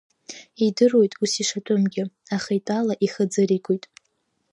Идыруеит, ус ишатәымгьы, аха, итәала ихы ӡыригоит.